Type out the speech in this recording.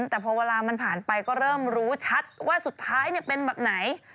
แต่พอเวลามันผ่านไปก็เริ่มรู้ชัดว่าสุดท้ายเป็นแบบไหน